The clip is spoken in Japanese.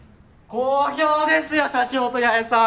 好評ですよ社長と八重さん。